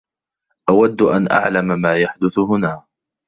أودّ أن أعلم ما يحدث هنا.